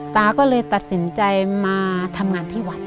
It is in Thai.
ตาก็เลยตัดสินใจมาทำงานที่วัด